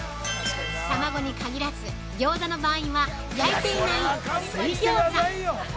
卵に限らず、餃子の場合は焼いていない水餃子。